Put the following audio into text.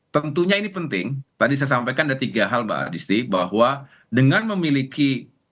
tentunya ini penting tadi saya sampaikan ada tiga hal mbak distrik bahwa dengan memiliki